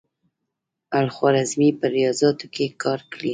الخوارزمي په ریاضیاتو کې کار کړی.